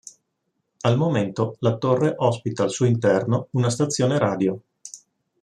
Al momento la torre ospita al suo interno una stazione radio.